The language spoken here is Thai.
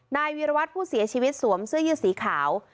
นายวีรวัตรผู้เสียชีวิตสวมเสื้อยืดสีขาว